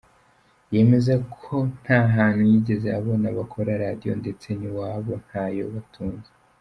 Yemeza ko nta hantu yigeze abona bakora radio ndetse n’iwabo ntayo batunze.